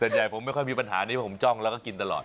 ใหญ่ผมไม่ค่อยมีปัญหานี้เพราะผมจ้องแล้วก็กินตลอด